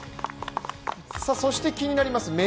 そして気になります